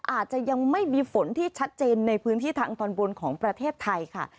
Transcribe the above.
อาจจะยังไม่มีฝนที่ชัดเจนในพื้นที่ทางตอนบนของประเทศไทยค่ะ